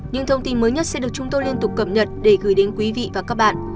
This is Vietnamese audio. những thông tin mới nhất sẽ được chúng tôi liên tục cập nhật để gửi đến quý vị và các bạn